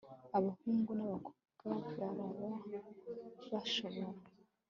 abahungu n'abakobwa baraba bashobora